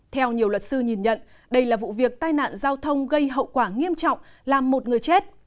theo nhiều luật sư nhìn nhận đây là vụ việc tai nạn giao thông gây hậu quả nghiêm trọng làm một người chết